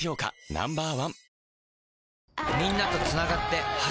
Ｎｏ．１